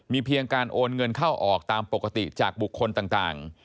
เพียงการโอนเงินเข้าออกตามปกติจากบุคคลต่าง